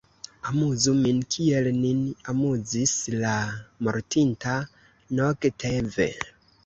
Amuzu nin, kiel nin amuzis la mortinta Nogtev!